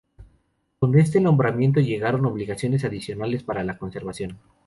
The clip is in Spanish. Con este nombramiento llegaron obligaciones adicionales para la conservación.